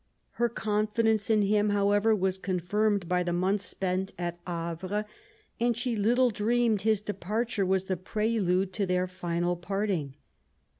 Her confidence in him, however, was confirmed by the months spent at Havre, and she little dreamed his departure was the prelude to their final parting.